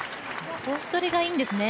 コース取りがいいんですね。